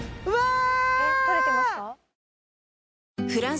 うわ！